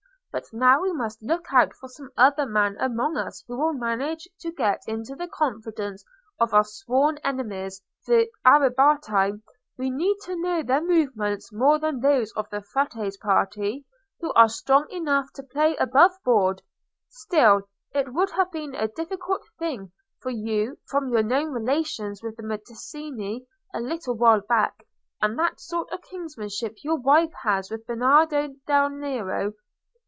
But now we must look out for some other man among us who will manage to get into the confidence of our sworn enemies, the Arrabbiati; we need to know their movements more than those of the Frate's party, who are strong enough to play above board. Still, it would have been a difficult thing for you, from your known relations with the Medici a little while back, and that sort of kinship your wife has with Bernardo del Nero.